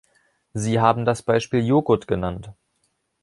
Sie haben das Beispiel Joghurt genannt.